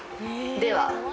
では